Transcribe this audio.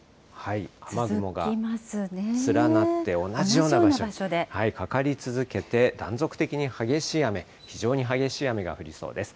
連なって、同じような場所でかかり続けて、断続的に激しい雨、非常に激しい雨が降りそうです。